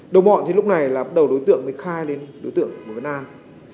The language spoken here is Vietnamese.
đồng bọn thì lúc này là bắt đầu đối tượng mới khai lên đối tượng bùi văn an